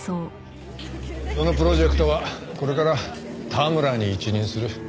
そのプロジェクトはこれから田村に一任する。